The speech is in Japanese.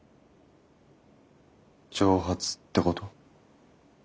蒸発ってこと？